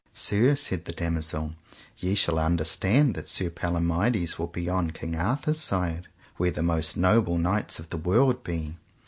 Sir, said the damosel, ye shall understand that Sir Palomides will be on King Arthur's side, where the most noble knights of the world be.